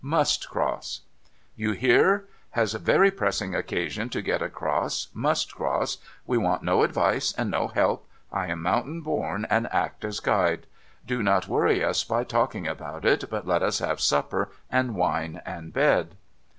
Must cross.' * You hear ?— has very pressing occasion to get across, must cross. We want no advice and no help. I am mountain born, and act as Guide. Do not worry us by talking about it, but let us have supper, and wine, and bed.'